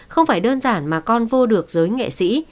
không phải đơn giản mà con vô được giới nghệ sĩ